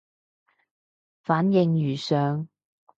反應如上